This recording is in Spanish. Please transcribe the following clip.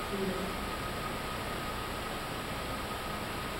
Su fábrica es de mampostería con refuerzos de sillería en las esquinas.